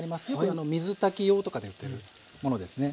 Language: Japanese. よく水炊き用とかで売ってるものですね。